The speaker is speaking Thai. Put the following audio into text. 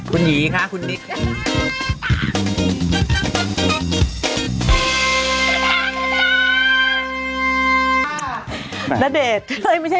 คุณหยีค่ะคุณดิ๊ก